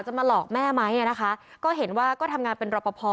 มาหลอกแม่ไหมอ่ะนะคะก็เห็นว่าก็ทำงานเป็นรอปภ